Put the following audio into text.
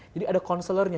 jadi ada konselernya